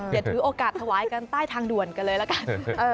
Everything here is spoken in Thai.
อย่าถือโอกาสถวายกันใต้ทางด่วนกันเลยละกัน